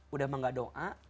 udah menga doa